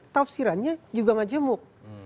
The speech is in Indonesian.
tafsirannya juga majemuk